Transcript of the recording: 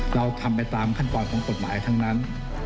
เราทำไปตามขั้นตอนของกฎหมายทั้งนั้น